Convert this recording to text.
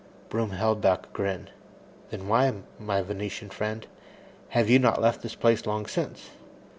Broom held back a grin. "Then why, my Venetian friend, have you not left this place long since?"